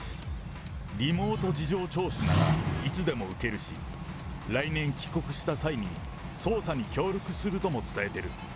リモート事情聴取ならいつでも受けるし、来年帰国した際に捜査に協力するとも伝えている。